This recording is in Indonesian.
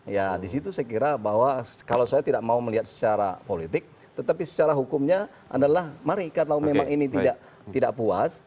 ya disitu saya kira bahwa kalau saya tidak mau melihat secara politik tetapi secara hukumnya adalah mari kalau memang ini tidak puas